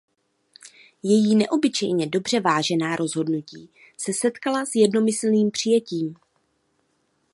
Její neobyčejně dobře vážená rozhodnutí se setkala s jednomyslným přijetím.